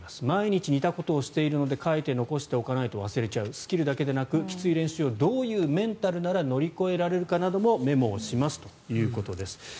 毎日似たことをしているので書いて残しておかないと忘れちゃうスキルだけでなく、きつい練習をどういうメンタルなら乗り越えられるかなどもメモをしますということです。